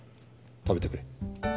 食べてくれ。